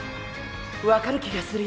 分かる気がするよ。